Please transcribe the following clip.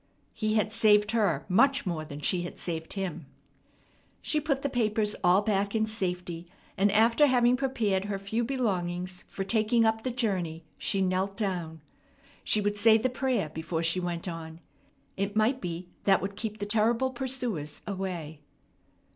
He had saved her much more than she had saved him. She put the papers all back in safety, and after having prepared her few belongings for taking up the journey, she knelt down. She would say the prayer before she went on. It might be that would keep the terrible pursuers away.